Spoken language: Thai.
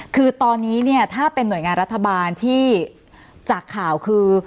คือตอนนี้เนี่ยถ้าเป็นหน่วยงานรัฐบาลที่จากข่าวคือ